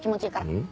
うん？